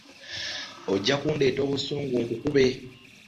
Ojja kundeeta obusungu nkukube.